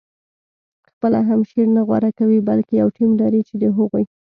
خپله هم شعر نه غوره کوي بلکې یو ټیم لري چې د هغوی